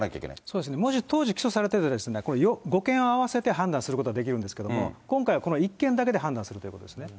そうですね、もし当時、起訴されてて、５件合わせて判断することはできるんですけれども、今回はこの１件だけで判断するということですね。